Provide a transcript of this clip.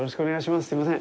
すみません。